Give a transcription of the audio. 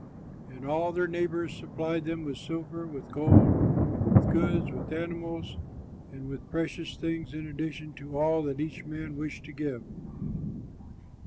And all their neighbors supplied them with silver, with gold, with goods, with animals, and with precious things in addition to all that each man wished to give.